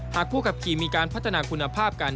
ผู้ขับขี่มีการพัฒนาคุณภาพกัน